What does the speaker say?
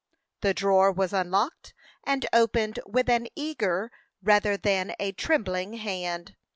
The drawer was unlocked and opened with an eager rather than a trembling hand.